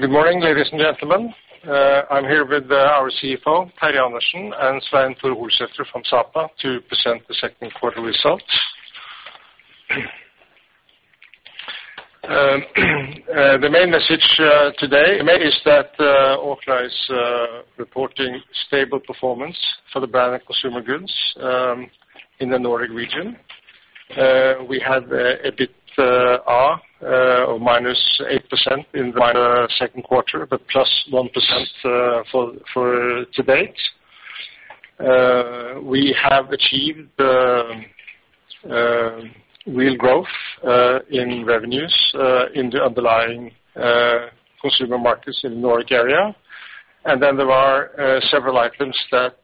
Good morning, ladies and gentlemen. I'm here with our CFO, Terje Andersen, and Svein Tore Holsether from Sapa, to present the second quarter results. The main message today is that Orkla is reporting stable performance for the brand and consumer goods in the Nordic region. We had a bit of -8% in the second quarter, but +1% for to date. We have achieved real growth in revenues in the underlying consumer markets in the Nordic area. There are several items that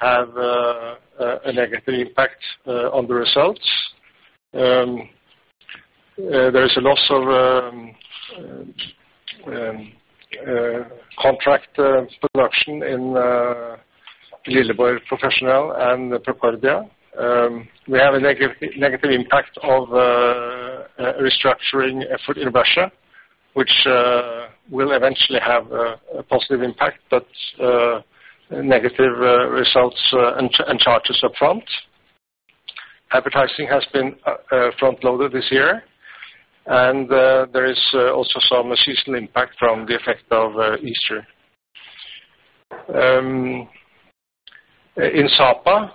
have a negative impact on the results. There is a loss of contract production in Lilleborg Professional and Procordia. We have a negative impact of restructuring effort in Versa, which will eventually have a positive impact, but negative results and charges up front. Advertising has been front-loaded this year, and there is also some seasonal impact from the effect of Easter. In Sapa,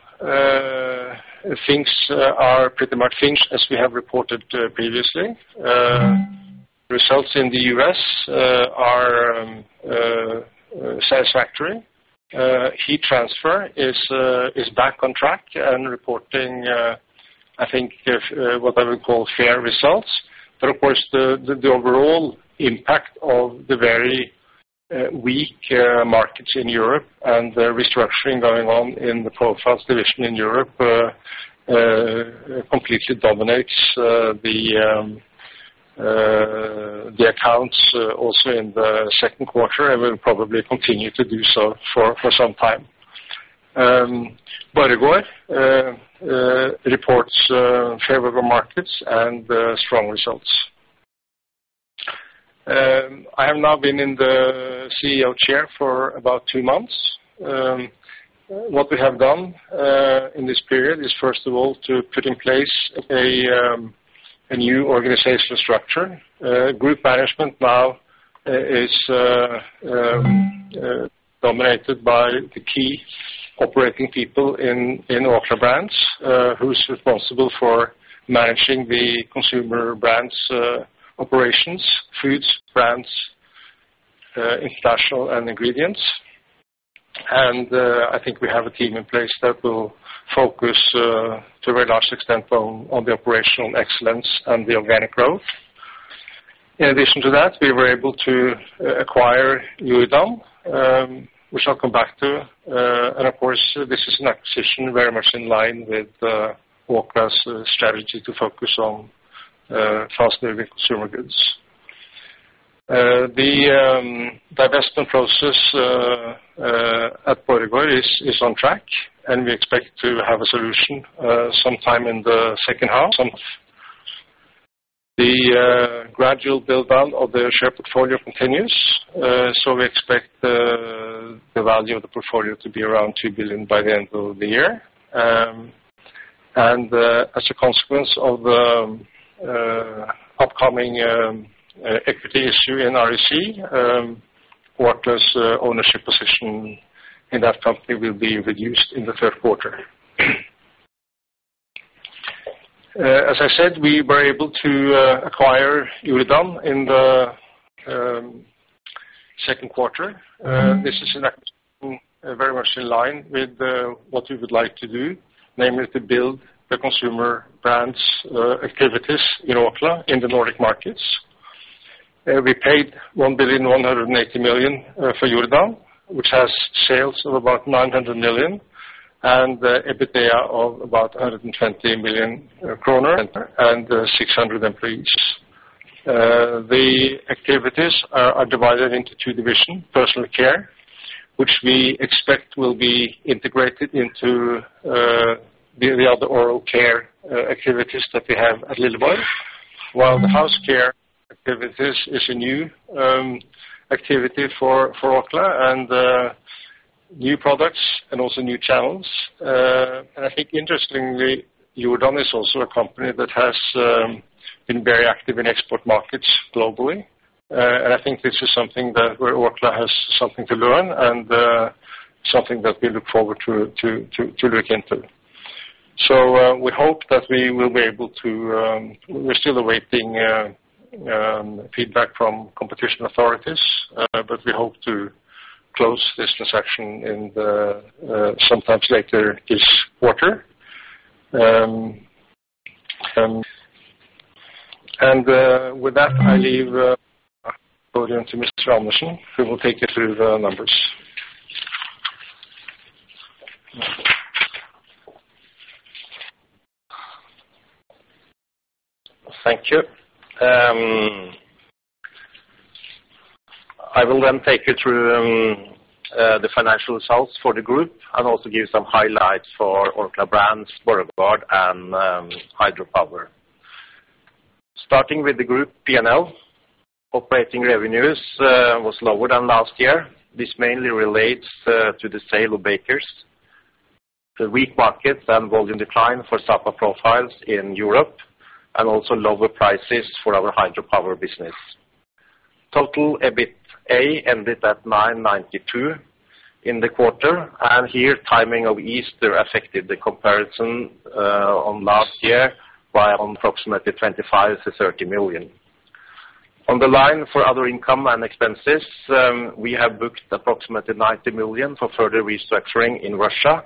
things are pretty much things as we have reported previously. Results in the U.S. are satisfactory. Heat Transfer is back on track and reporting, I think, what I would call fair results. Of course, the overall impact of the very weak markets in Europe and the restructuring going on in the Profiles Division in Europe completely dominates the accounts also in the 2nd quarter, and will probably continue to do so for some time. Borregaard reports favorable markets and strong results. I have now been in the CEO chair for about two months. What we have done in this period is, first of all, to put in place a new organizational structure. Group management now is dominated by the key operating people in Orkla Brands, who's responsible for managing the consumer Brands Operations, Foods, Brands International and Ingredients. I think we have a team in place that will focus to a very large extent on operational excellence and the organic growth. In addition to that, we were able to acquire Jordan, which I'll come back to. Of course, this is an acquisition very much in line with Orkla's strategy to focus on fast-moving consumer goods. The divestment process at Borregaard is on track, and we expect to have a solution sometime in the second half. The gradual build-down of the share portfolio continues, so we expect the value of the portfolio to be around 2 billion by the end of the year. As a consequence of the upcoming equity issue in REC, Orkla's ownership position in that company will be reduced in the third quarter. As I said, we were able to acquire Jordan in the second quarter. This is an acquisition very much in line with what we would like to do, namely, to build the consumer brands activities in Orkla, in the Nordic markets. We paid 1,180 million for Jordan, which has sales of about 900 million, and EBITDA of about 120 million kroner and 600 employees. The activities are divided into two divisions: Personal Care, which we expect will be integrated into the other Oral Care activities that we have at Lilleborg. While the House Care activities is a new activity for Orkla and new products and also new channels. I think interestingly, Jordan is also a company that has been very active in export markets globally. I think this is something that Orkla has something to learn and something that we look forward to look into. We hope that we will be able to. We're still awaiting feedback from competition authorities, but we hope to close this transaction sometimes later this quarter. With that, I leave audience to Mr. Andersen, who will take you through the numbers. Thank you. I will then take you through the financial results for the group and also give some highlights for Orkla Brands, Borregaard and Hydropower. Starting with the group PNL, operating revenues was lower than last year. This mainly relates to the sale of Bakers, the weak markets and volume decline for Sapa Profiles in Europe, and also lower prices for our Hydropower business. Total EBITA ended at 992 in the quarter. Here, timing of Easter affected the comparison on last year by approximately 25 million-30 million. On the line for other income and expenses, we have booked approximately 90 million for further restructuring in Russia,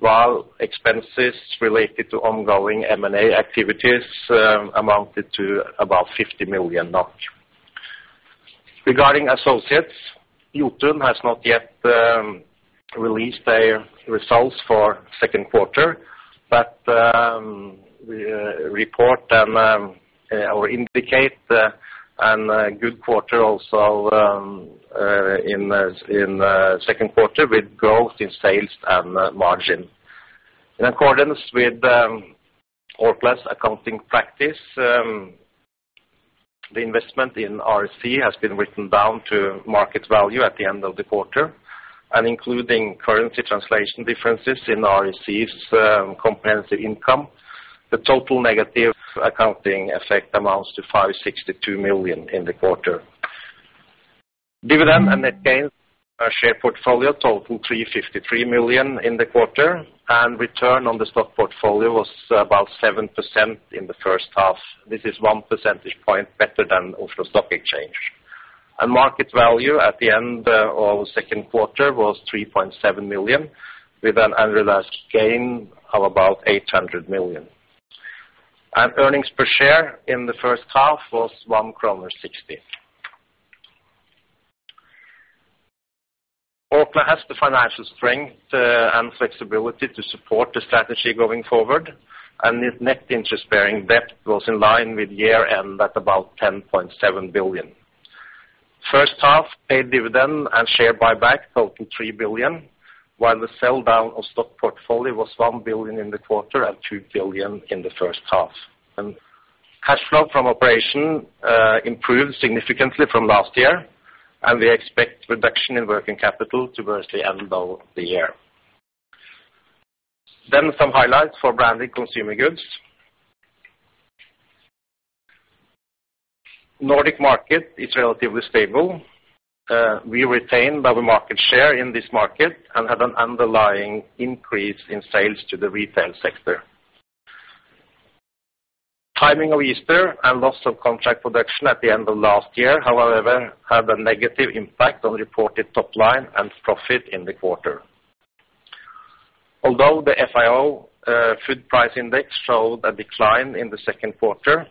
while expenses related to ongoing M&A activities amounted to about 50 million NOK. Regarding associates, Jotun has not yet released their results for second quarter, but we report and or indicate a good quarter also in the second quarter, with growth in sales and margin. In accordance with Orkla's accounting practice, the investment in REC has been written down to market value at the end of the quarter. Including currency translation differences in REC's comprehensive income, the total negative accounting effect amounts to 562 million in the quarter. Dividend and net gains are share portfolio, total 353 million in the quarter, and return on the stock portfolio was about 7% in the first half. This is 1% point better than Oslo Stock Exchange. Market value at the end of the second quarter was 3.7 million, with an annualized gain of about 800 million. Earnings per share in the first half was 1.60 kroner. Orkla has the financial strength and flexibility to support the strategy going forward, and its net interest-bearing debt was in line with year-end at about 10.7 billion. First half, paid dividend and share buyback, total 3 billion, while the sell-down of stock portfolio was 1 billion in the quarter and 2 billion in the first half. Cash flow from operation improved significantly from last year, and we expect reduction in working capital towards the end of the year. Some highlights for Branded Consumer Goods. Nordic market is relatively stable. We retained our market share in this market and had an underlying increase in sales to the retail sector. Timing of Easter and loss of contract production at the end of last year, however, had a negative impact on reported top line and profit in the quarter. Although the FAO food price index showed a decline in the second quarter,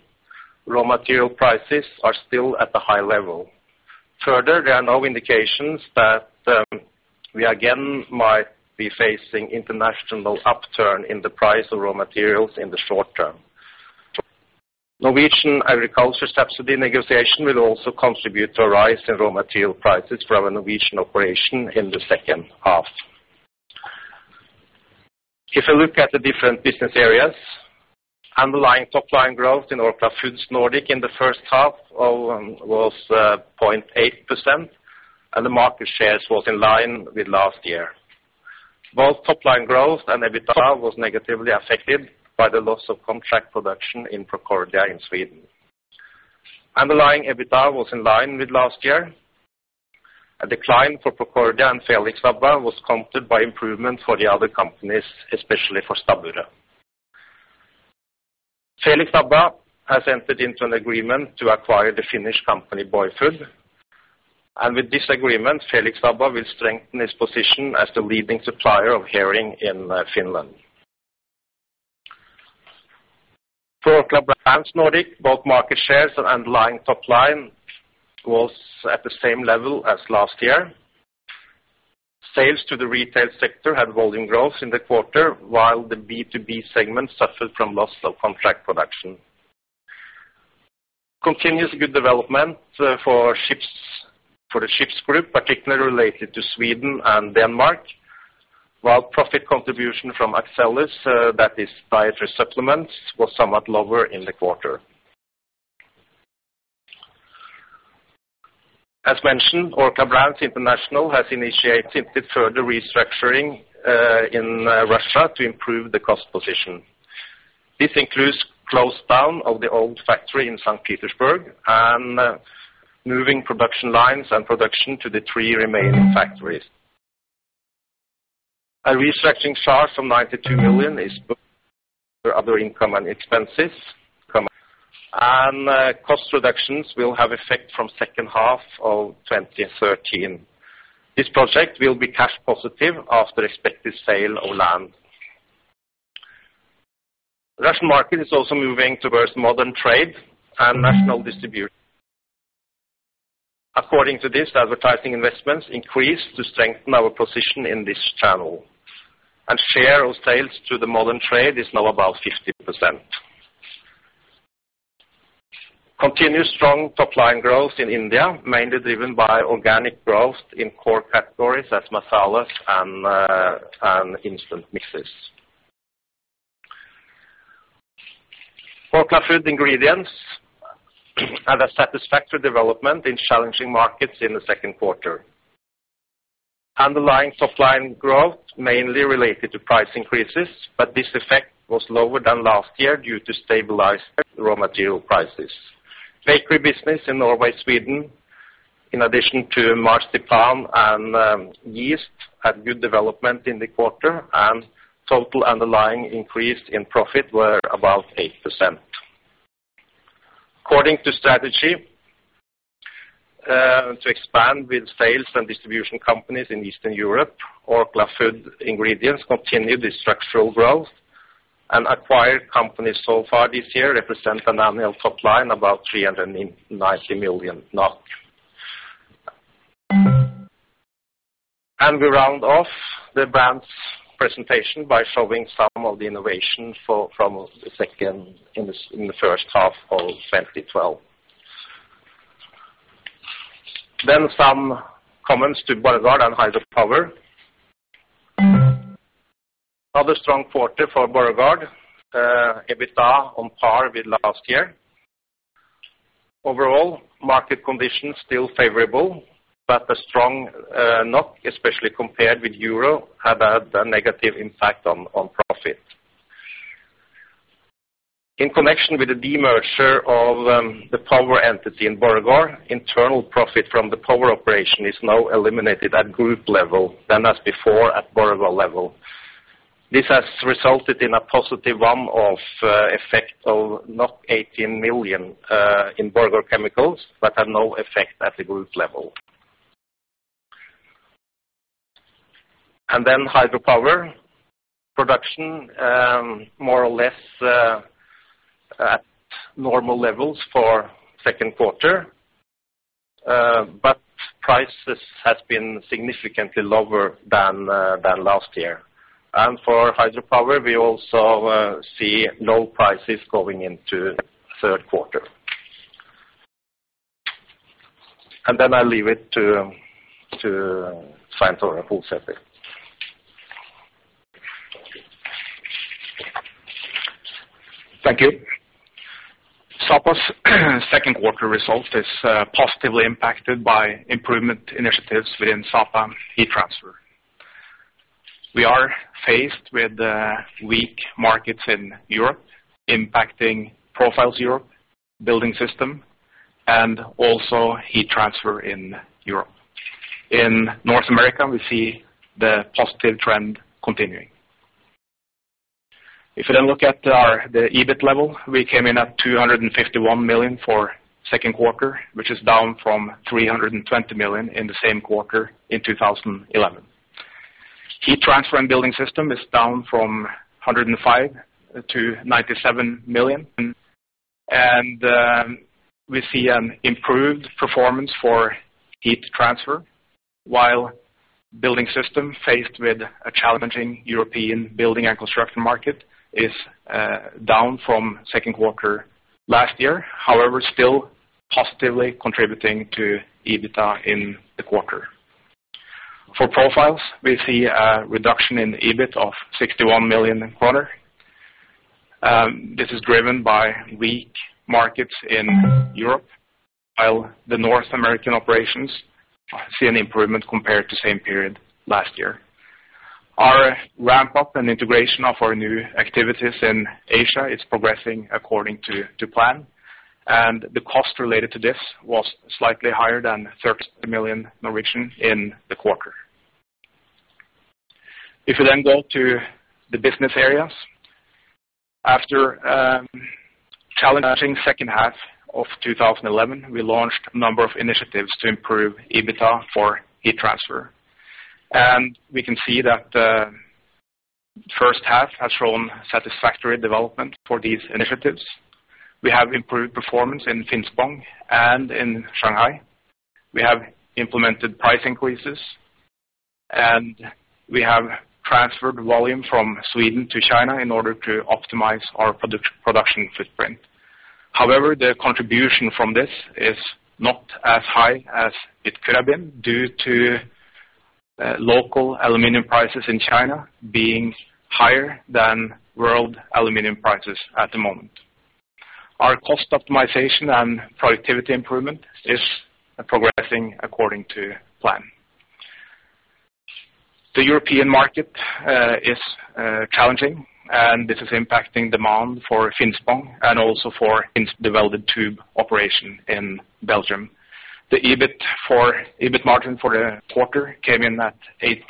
raw material prices are still at a high level. Further, there are no indications that we again might be facing international upturn in the price of raw materials in the short term. Norwegian agriculture subsidy negotiation will also contribute to a rise in raw material prices for our Norwegian operation in the second half. If you look at the different business areas, underlying top line growth in Orkla Foods Nordic in the first half of was 0.8%, the market shares was in line with last year. Both top-line growth and EBITDA was negatively affected by the loss of contract production in Procordia in Sweden. Underlying EBITDA was in line with last year. A decline for Procordia and Felix was countered by improvement for the other companies, especially for Stabburet. Felix has entered into an agreement to acquire the Finnish company, Boyfood. With this agreement, Felix will strengthen its position as the leading supplier of herring in Finland. For Orkla Brands Nordic, both market shares and underlying top line was at the same level as last year. Sales to the retail sector had volume growth in the quarter, while the B2B segment suffered from loss of contract production. Continuous good development for ships, for the ships group, particularly related to Sweden and Denmark, while profit contribution from Axellus, that is dietary supplements, was somewhat lower in the quarter. As mentioned, Orkla Brands International has initiated the further restructuring in Russia to improve the cost position. This includes close down of the old factory in St. Petersburg and moving production lines and production to the three remaining factories. A restructuring charge from 92 million is for other income and expenses, and cost reductions will have effect from second half of 2013. This project will be cash positive after expected sale of land. Russian market is also moving towards modern trade and national distribution. According to this, advertising investments increased to strengthen our position in this channel, and share of sales to the modern trade is now about 50%. Continuous strong top line growth in India, mainly driven by organic growth in core categories as masalas and instant mixes. Orkla Food Ingredients have a satisfactory development in challenging markets in the second quarter. Underlying top line growth, mainly related to price increases, but this effect was lower than last year due to stabilized raw material prices. Bakery business in Norway, Sweden, in addition to marzipan and yeast, had good development in the quarter, and total underlying increase in profit were about 8%. According to strategy to expand with sales and distribution companies in Eastern Europe, Orkla Food Ingredients continue the structural growth and acquired companies so far this year represent an annual top line, about 390 million NOK. We round off the brands presentation by showing some of the innovation in the first half of 2012. Some comments to Borregaard and Hydropower. Another strong quarter for Borregaard, EBITDA on par with last year. Overall, market conditions still favorable, but the strong NOK, especially compared with euro, have had a negative impact on profit. In connection with the demerger of the power entity in Borregaard, internal profit from the power operation is now eliminated at group level than as before at Borregaard level. This has resulted in a positive one-off effect of 18 million in Borregaard Chemicals, but had no effect at the group level. Hydropower production, more or less, at normal levels for second quarter, but prices has been significantly lower than last year. For Hydropower, we also see low prices going into third quarter. I leave it to Svein Tore Holsether. Thank you. Sapa's second quarter result is positively impacted by improvement initiatives within Sapa Heat Transfer. We are faced with weak markets in Europe, impacting Profiles Europe, Building System, and also Heat Transfer in Europe. In North America, we see the positive trend continuing. The EBIT level, we came in at 251 million for second quarter, which is down from 320 million in the same quarter in 2011. Heat Transfer and Building System is down from 105 million to 97 million, we see an improved performance for Heat Transfer, while Building System, faced with a challenging European building and construction market, is down from second quarter last year. Still positively contributing to EBITDA in the quarter. For Profiles, we see a reduction in EBIT of 61 million a quarter. This is driven by weak markets in Europe, while the North American operations see an improvement compared to same period last year. Our ramp-up and integration of our new activities in Asia is progressing according to plan, and the cost related to this was slightly higher than 30 million in the quarter. After challenging second half of 2011, we launched a number of initiatives to improve EBITDA for Heat Transfer. We can see that the first half has shown satisfactory development for these initiatives. We have improved performance in Finspång and in Shanghai. We have implemented price increases, and we have transferred volume from Sweden to China in order to optimize our production footprint. However, the contribution from this is not as high as it could have been due to local aluminum prices in China being higher than world aluminum prices at the moment. Our cost optimization and productivity improvement is progressing according to plan. The European market is challenging, and this is impacting demand for Finspång and also for ins- developed tube operation in Belgium. The EBIT margin for the quarter came in at 8%.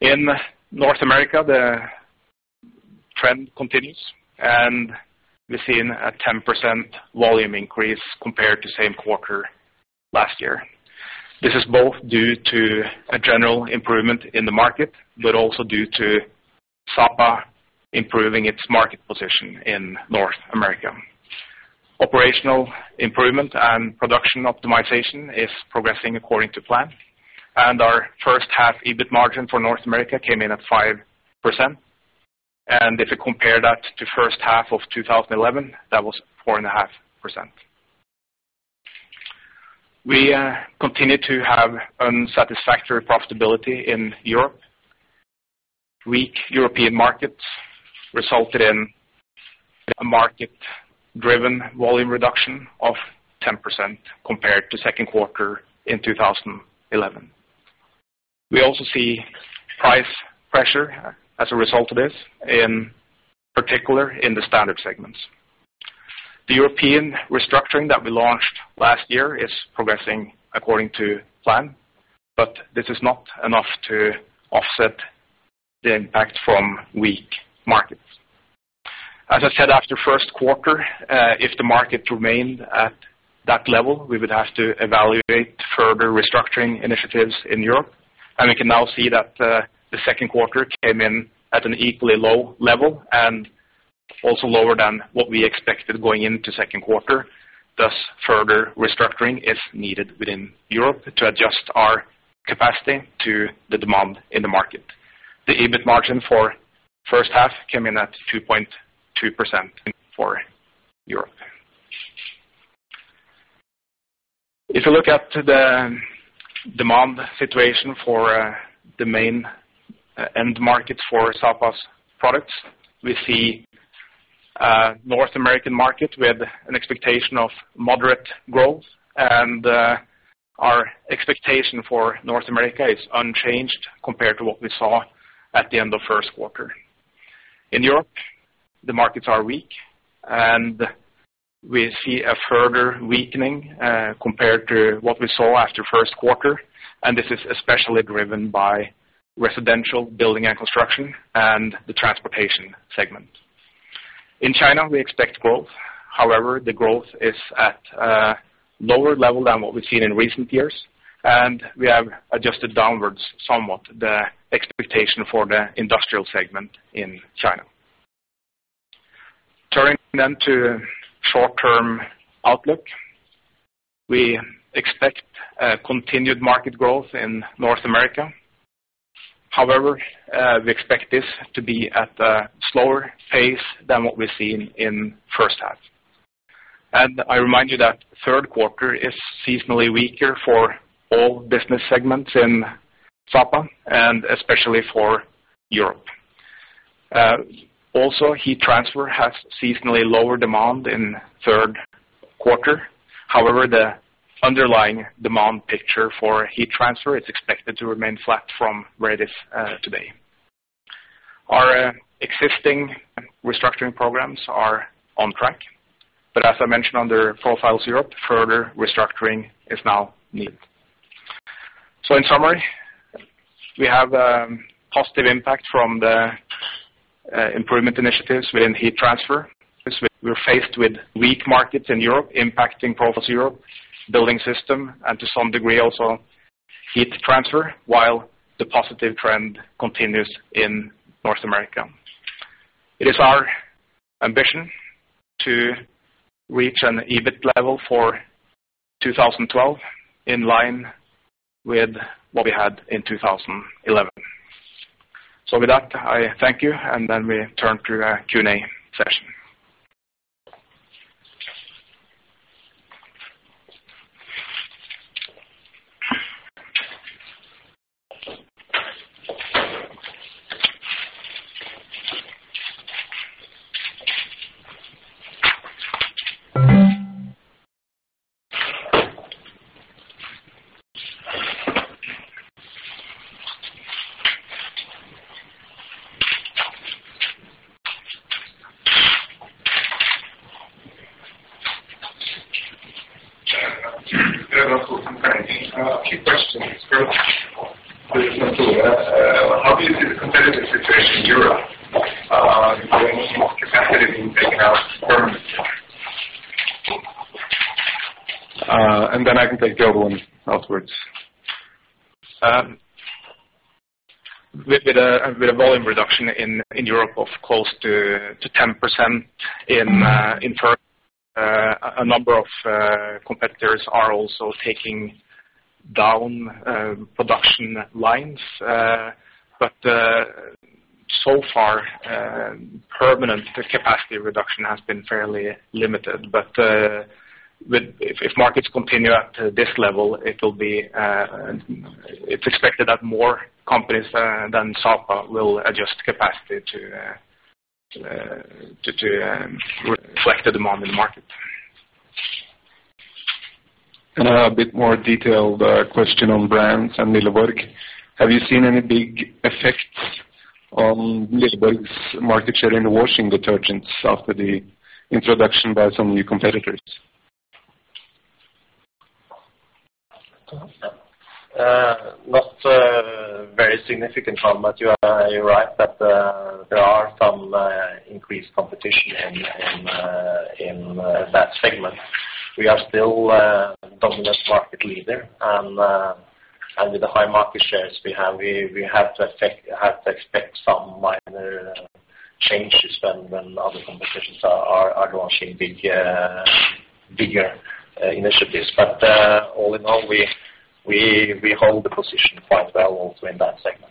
In North America, the trend continues, and we're seeing a 10% volume increase compared to same quarter last year. This is both due to a general improvement in the market, but also due to Sapa improving its market position in North America. operational improvement and production optimization is progressing according to plan, and our first half EBIT margin for North America came in at 5%. If you compare that to first half of 2011, that was 4.5%. We continue to have unsatisfactory profitability in Europe. Weak European markets resulted in a market-driven volume reduction of 10% compared to second quarter in 2011. We also see price pressure as a result of this, in particular, in the standard segments. The European restructuring that we launched last year is progressing according to plan, but this is not enough to offset the impact from weak markets. As I said, after first quarter, if the market remained at that level, we would have to evaluate further restructuring initiatives in Europe. We can now see that the second quarter came in at an equally low level and also lower than what we expected going into second quarter. Thus, further restructuring is needed within Europe to adjust our capacity to the demand in the market. The EBIT margin for first half came in at 2.2% for Europe. If you look at the demand situation for the main end markets for Sapa's products, we see North American market, we had an expectation of moderate growth, and our expectation for North America is unchanged compared to what we saw at the end of first quarter. In Europe, the markets are weak, and we see a further weakening compared to what we saw after first quarter, and this is especially driven by residential, building and construction, and the transportation segment. In China, we expect growth. However, the growth is at a lower level than what we've seen in recent years, and we have adjusted downwards somewhat the expectation for the industrial segment in China. Turning then to short-term outlook, we expect a continued market growth in North America. However, we expect this to be at a slower pace than what we've seen in first half. I remind you that third quarter is seasonally weaker for all business segments in Sapa, and especially for Europe. Also, Heat Transfer has seasonally lower demand in third quarter. However, the underlying demand picture for Heat Transfer is expected to remain flat from where it is today. Our existing restructuring programs are on track, but as I mentioned, under Profiles Europe, further restructuring is now needed. In summary, we have a positive impact from the improvement initiatives within Heat Transfer. We're faced with weak markets in Europe, impacting Profiles Europe Building System, and to some degree, also Heat Transfer, while the positive trend continues in North America. It is our ambition to reach an EBIT level for 2012, in line with what we had in 2011. With that, I thank you, and then we turn to a Q&A session. A few questions. How do you see the competitive situation in Europe, in terms of capacity being taken out permanently? I can take the other one afterwards. With the volume reduction in Europe of close to 10% in term, a number of competitors are also taking down production lines. So far, permanent capacity reduction has been fairly limited, if markets continue at this level, it will be it's expected that more companies than Sapa will adjust capacity to reflect the demand in the market. A bit more detailed question on brands and Lilleborg. Have you seen any big effects on Lilleborg's market share in the washing detergents after the introduction by some new competitors? Not very significant, Tom, but you are, you're right that there are some increased competition in that segment. We are still dominant market leader, and with the high market shares we have, we have to expect some minor changes when other competitions are launching bigger initiatives. All in all, we hold the position quite well also in that segment.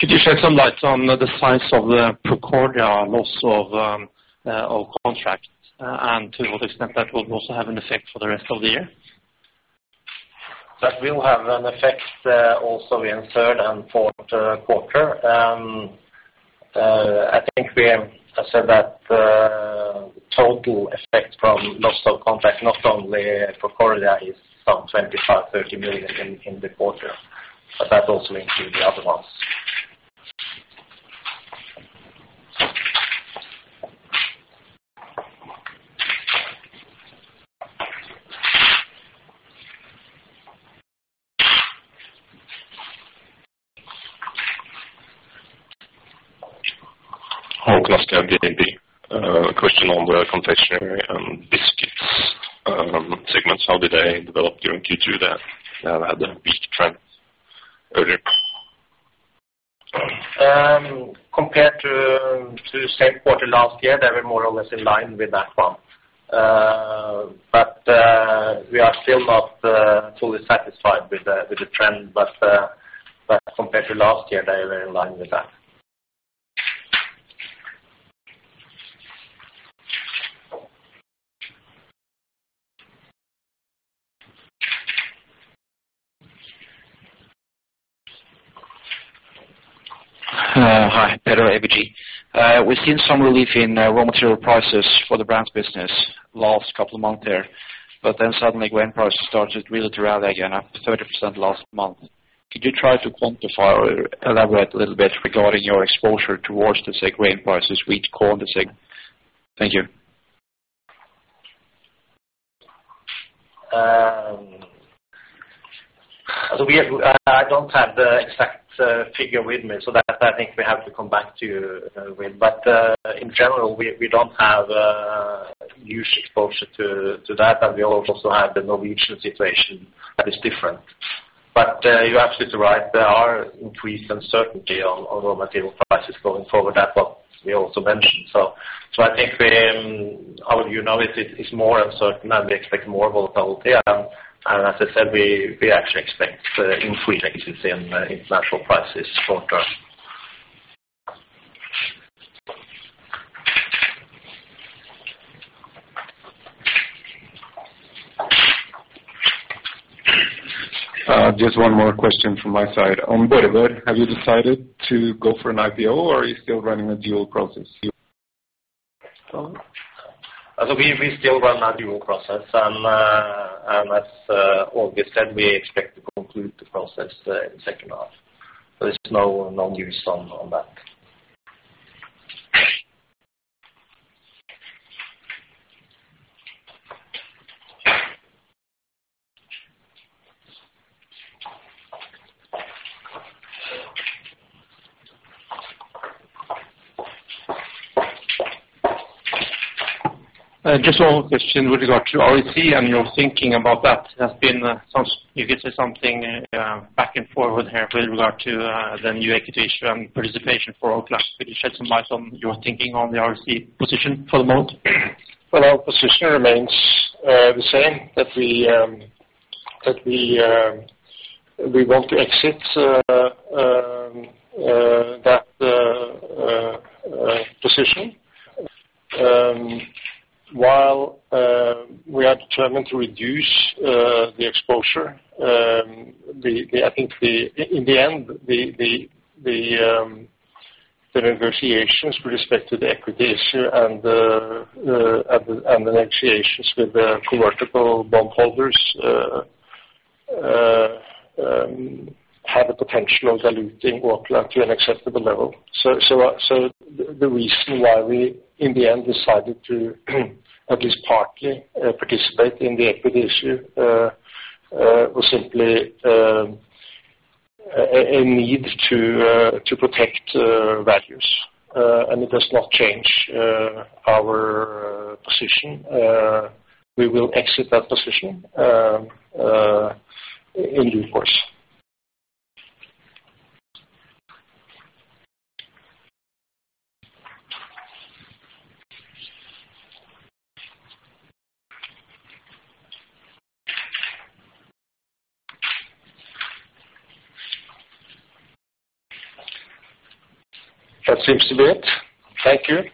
Could you shed some light on the size of the Procordia loss of contract, and to what extent that will also have an effect for the rest of the year? That will have an effect, also in third and fourth quarter. I think we have said that total effect from loss of contract, not only Procordia, is some 25 million-30 million in the quarter, but that also includes the other ones. Hi, can I ask you a question on the confectionery and biscuits, segments? How did they develop during Q2 there? They had a weak trend earlier. Compared to the same quarter last year, they were more or less in line with that one. We are still not fully satisfied with the trend, but compared to last year, they were in line with that. Hi, Pedro, ABG. We've seen some relief in raw material prices for the brands business last couple of months there. Suddenly, grain prices started really to rally again, up to 30% last month. Could you try to quantify or elaborate a little bit regarding your exposure towards the sake grain prices, wheat, corn, and sake? Thank you. We have, I don't have the exact figure with me, so that I think we have to come back to you with. In general, we don't have a huge exposure to that, and we also have the Norwegian situation that is different. You're absolutely right, there are increased uncertainty on raw material prices going forward, that what we also mentioned. I think we, how you know it's more uncertain, and we expect more volatility. As I said, we actually expect increased in natural prices short term. Just one more question from my side. On Borregaard, have you decided to go for an IPO, or are you still running a dual process? We still run a dual process, and as Åge said, we expect to conclude the process in the second half. There's no news on that. Just one question with regard to REC and your thinking about that has been, you could say, back and forward here with regard to the new equity issue and participation for Orkla. Could you shed some light on your thinking on the REC position for the moment? Well, our position remains the same, that we, that we want to exit that position, while we are determined to reduce the exposure. The, I think in the end, the negotiations with respect to the equity issue and the negotiations with the convertible bondholders have the potential of diluting Orkla to an acceptable level. The reason why we, in the end, decided to, at least partly, participate in the equity issue was simply a need to protect values. It does not change our position. We will exit that position in due course. That seems to be it. Thank you.